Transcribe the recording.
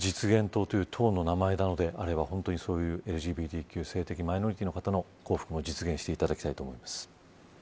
党という党の名前なのであればほんとに、ＬＧＢＴＱ性的マイノリティーの方々の幸福も実現していただきたいと思います。